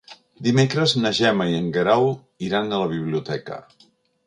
Dimecres na Gemma i en Guerau iran a la biblioteca.